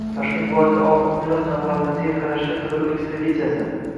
Toshkent viloyati “Oltin meros”jamg‘armasiga qarashli qidiruv ekspeditsiyasi